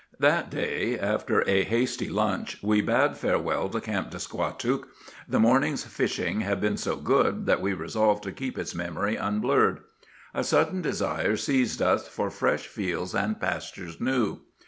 That day after a hasty lunch we bade farewell to Camp de Squatook. The morning's fishing had been so good that we resolved to keep its memory unblurred. A sudden desire seized us for "fresh fields and pastures new."